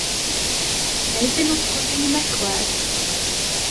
Nezinu, kur viņu meklēt.